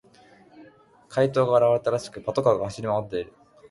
怪盗が現れたらしく、パトカーが走り回っている。